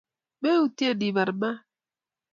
Meutie ibar mat